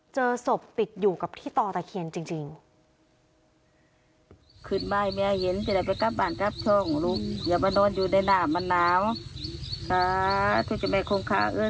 เจอศพติดอยู่กับที่ต่อตะเคียนจริง